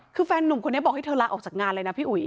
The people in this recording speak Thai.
คือแฟนนุ่มคนนี้บอกให้เธอลาออกจากงานเลยนะพี่อุ๋ย